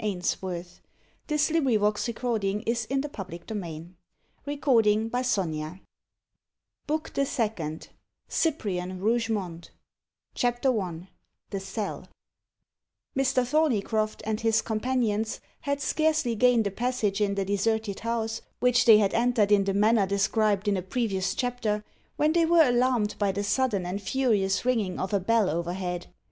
And he hurried away, utterly unconscious whither he went. END OF THE INTERMEAN BOOK THE SECOND CYPRIAN ROUGEMONT CHAPTER I THE CELL Mr. Thorneycroft and his companions had scarcely gained a passage in the deserted house, which they had entered in the manner described in a previous chapter, when they were alarmed by the sudden and furious ringing of a bell overhead.